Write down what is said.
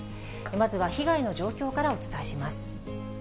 まずは被害の状況からお伝えします。